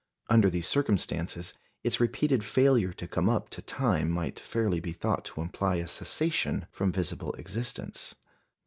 Under these circumstances, its repeated failure to come up to time might fairly be thought to imply a cessation from visible existence.